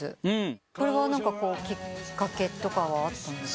これはきっかけとかはあったんですか？